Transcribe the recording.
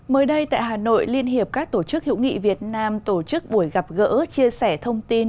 mới đây tại hà nội liên hiệp các tổ chức hữu nghị việt nam tổ chức buổi gặp gỡ chia sẻ thông tin